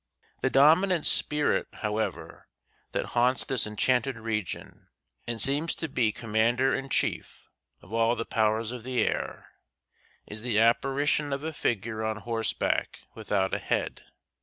The dominant spirit, however, that haunts this enchanted region, and seems to be commander in chief of all the powers of the air, is the apparition of a figure on horseback without a head.